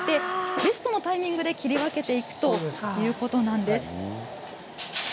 ベストのタイミングで切り分けていくということなんです。